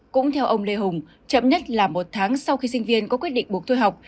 cũng theo ông lê hùng chậm nhất là một tháng sau khi sinh viên có quyết định buộc thôi học